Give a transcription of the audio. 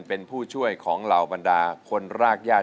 เป็นผู้ช่วยของเราบรรดาคนรากย่าน